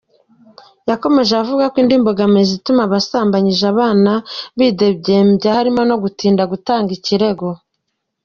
Yakomeje avuga ko indi mbogamizi ituma abasambanyije abana bidegembya harimo no gutinda gutanga ikirego.